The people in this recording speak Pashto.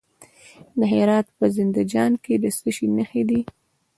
د هرات په زنده جان کې د څه شي نښې دي؟